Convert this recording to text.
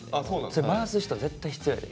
それ回す人絶対必要やで。